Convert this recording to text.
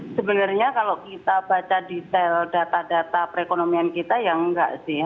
sebenarnya kalau kita baca detail data data perekonomian kita ya enggak sih